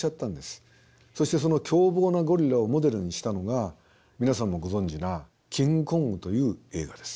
そしてその凶暴なゴリラをモデルにしたのが皆さんもご存じな「キングコング」という映画です。